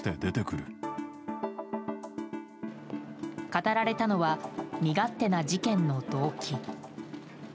語られたのは身勝手な事件の動機。